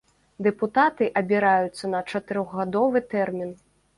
Дэпутаты абіраюцца на чатырохгадовы тэрмін.